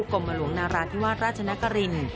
กรมหลวงนาราธิวาสราชนคริน